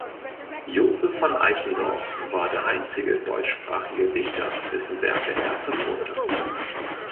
Josef von Eichendorff war der einzige deutschsprachige Dichter, dessen Werke er vertonte.